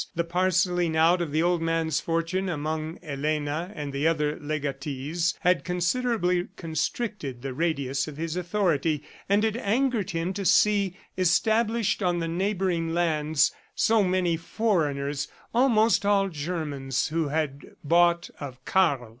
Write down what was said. The parcelling out of the old man's fortune among Elena and the other legatees had considerably constricted the radius of his authority, and it angered him to see established on the neighboring lands so many foreigners, almost all Germans, who had bought of Karl.